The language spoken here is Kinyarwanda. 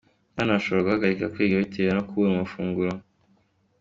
Abana bashobora guhagarika kwiga bitewe no kubura amafunguro